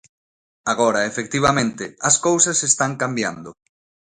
Agora, efectivamente, as cousas están cambiando.